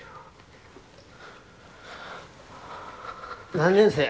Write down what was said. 何年生？